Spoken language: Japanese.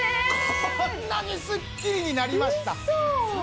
こんなにスッキリになりましたうそ！